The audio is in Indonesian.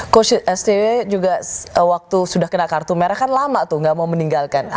coach scw juga waktu sudah kena kartu merah kan lama tuh gak mau meninggalkan